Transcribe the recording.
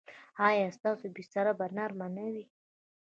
ایا ستاسو بستره به نرمه نه وي؟